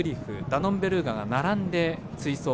ダノンベルーガが並んで追走。